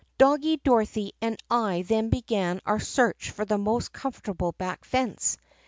"Doggie Dorothy and I then began our search for the most comfortable back fence.